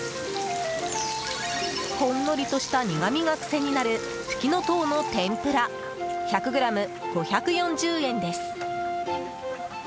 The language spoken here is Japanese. ほんのりとした苦みが癖になるふきのとうの天ぷら１００ｇ５４０円です。